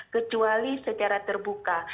kecuali secara terbuka